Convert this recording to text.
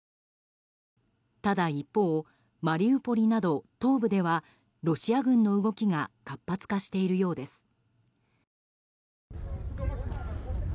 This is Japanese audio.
ただ一方マリウポリなど東部ではロシア軍の動きが活発化しているようです。